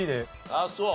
あっそう。